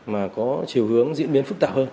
mà có chiều hướng diễn biến